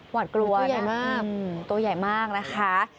หวัดกลัวนะตัวใหญ่มากนะคะคือตัวใหญ่มาก